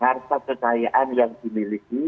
harta kekayaan yang dimiliki